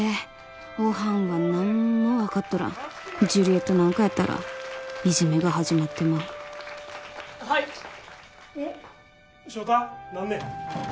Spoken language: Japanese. おはんは何も分かっとらんジュリエットなんかやったらいじめが始まってまうはい・おっ翔太何ね？